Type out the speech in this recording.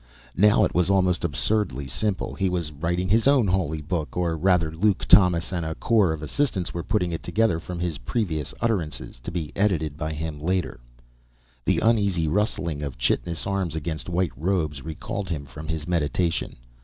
Now, it was almost absurdly simple. He was writing his own holy book or rather, Luke, Thomas, and a corps of assistants were putting it together from his previous utterances, to be edited by him later. The uneasy rustling of chitinous arms against white robes recalled him from his meditation.